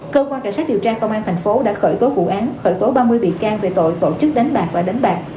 cơ quan cảnh sát điều tra công an thành phố đã khởi tố vụ án khởi tố ba mươi bị can về tội tổ chức đánh bạc và đánh bạc